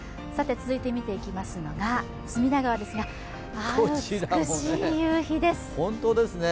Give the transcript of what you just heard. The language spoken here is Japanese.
続いて見ていきますのが隅田川ですが美しい夕日です。